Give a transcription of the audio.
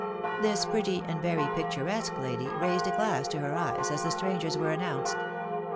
This pretty and very picturesque lady raised a glass to her eye as the strangers were announced.